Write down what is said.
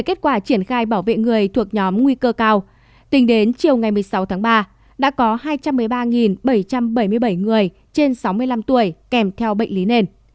tại bệnh viện tầng hai có hai trăm bảy mươi bảy người thuộc nhóm nguy cơ cao tính đến chiều ngày một mươi sáu tháng ba đã có hai trăm một mươi ba bảy trăm bảy mươi bảy người trên sáu mươi năm tuổi kèm theo bệnh lý nền